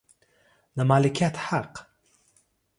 د مالکیت حق